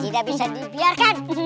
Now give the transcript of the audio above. tidak bisa dibiarkan